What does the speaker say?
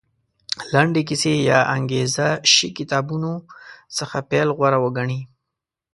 لنډې کیسې یا انګېزه شي کتابونو څخه پیل غوره وګڼي.